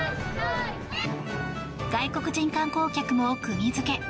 外国人観光客も釘付け。